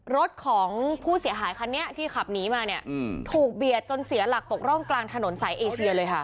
รถของผู้เสียหายคันนี้ที่ขับหนีมาเนี่ยถูกเบียดจนเสียหลักตกร่องกลางถนนสายเอเชียเลยค่ะ